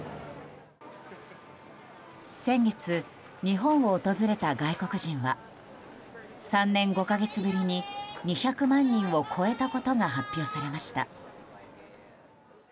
先月、日本を訪れた外国人は３年５か月ぶりに２００万人を超えたことが発表されました。